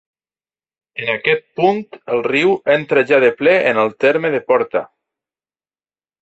En aquest punt el riu entra ja de ple en el terme de Porta.